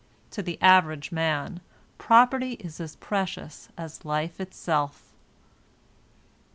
To the average man property is as precious as life itself.